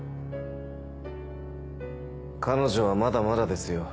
彼女はまだまだですよ。